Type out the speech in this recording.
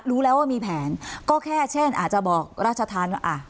รู้แล้วว่ามีแผนก็แค่เช่นอาจจะบอกราชธรรมว่าอ่ะ